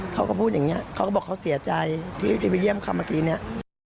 เขาก็พูดอย่างนี้เขาก็บอกเขาเสียใจที่ได้ไปเยี่ยมเขาเมื่อกี้เนี่ย